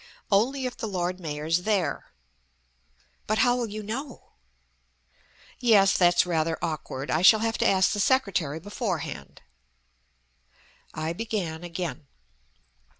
"Only if the Lord Mayor's there." "But how will you know?" "Yes, that's rather awkward. I shall have to ask the Secretary beforehand." I began again.